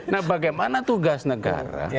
nah bagaimana tugas negara